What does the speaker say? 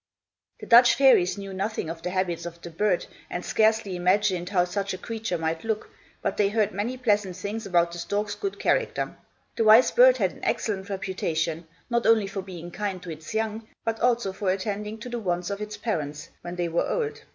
The Dutch fairies knew nothing of the habits of the bird and scarcely imagined how such a creature might look, but they heard many pleasant things about the stork's good character. The wise bird had an excellent reputation, not only for being kind to its young, but also for attending to the wants of its parents, when they were old.